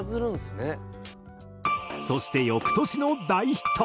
そして翌年の大ヒット。